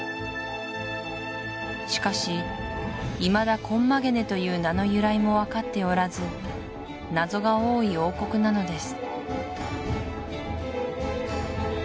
しかしいまだコンマゲネという名の由来も分かっておらずナゾが多い王国なのです